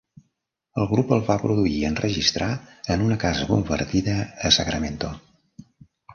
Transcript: El grup el va produir i enregistrar en una casa convertida a Sacramento.